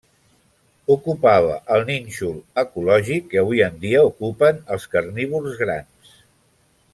Ocupava el nínxol ecològic que avui en dia ocupen els carnívors grans.